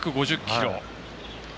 １５０キロ。